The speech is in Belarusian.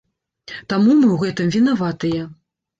Таму мы ў гэтым вінаватыя.